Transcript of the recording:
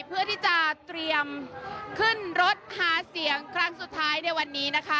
เพื่อที่จะเตรียมขึ้นรถหาเสียงครั้งสุดท้ายในวันนี้นะคะ